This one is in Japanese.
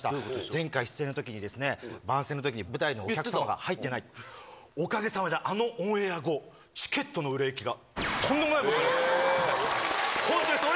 前回出演のときにですね、番宣のときに、舞台にお客様入ってない、おかげさまであのオンエア後、チケットの売れ行きがとんでもないことになりました。